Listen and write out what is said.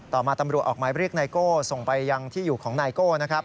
ต่อมาตำรวจออกหมายเรียกไนโก้ส่งไปยังที่อยู่ของนายโก้นะครับ